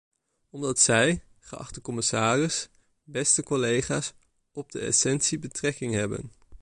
Omdat zij, geachte commissaris, beste collega's, op de essentie betrekking hebben.